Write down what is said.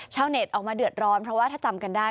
เน็ตออกมาเดือดร้อนเพราะว่าถ้าจำกันได้